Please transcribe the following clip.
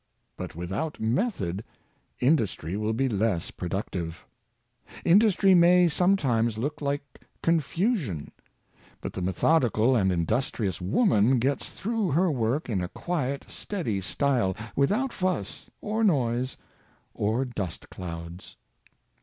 But without method, industry will be less productive. Industry may sometimes look like confu sion, but the methodical and industrious woman gets through her work in a quiet, steady style — without fuss, or noise, or dust clouds.